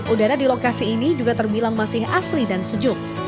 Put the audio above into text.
udara di lokasi ini juga terbilang masih asli dan sejuk